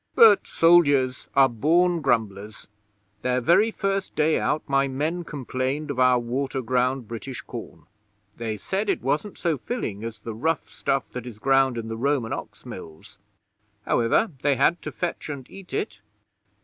But soldiers are born grumblers. Their very first day out, my men complained of our water ground British corn. They said it wasn't so filling as the rough stuff that is ground in the Roman ox mills. However, they had to fetch and eat it.'